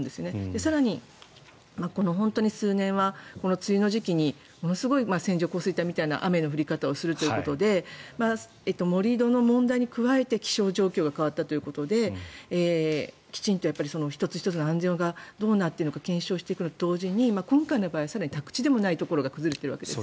更に、本当に数年はこの梅雨の時期にものすごい線状降水帯みたいな雨の降り方をするということで盛り土の問題に加えて気象状況が加わったということできちんと１つ１つの安全がどうなっているのか検証していくのと同時に今回のは更に宅地でもないところが崩れているわけです。